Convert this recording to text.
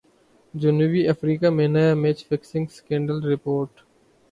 جنوبی افریقہ میں نیا میچ فکسنگ سکینڈل رپورٹ